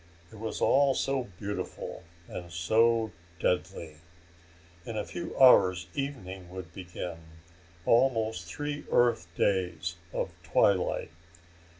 It was all so beautiful, and so deadly. In a few hours evening would begin almost three Earth days of twilight.